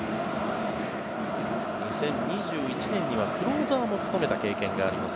２０２１年にはクローザーも務めた経験があります